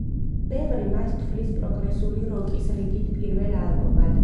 ბევრი მას თვლის პროგრესული როკის რიგით პირველ ალბომად.